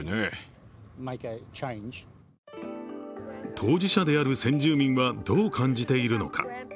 当事者である先住民はどう感じているのか。